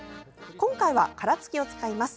今回は殻付きを使います。